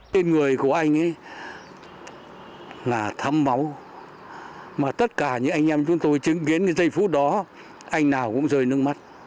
tên người của anh ấy là thấm máu mà tất cả những anh em chúng tôi chứng kiến cái giây phút đó anh nào cũng rơi nước mắt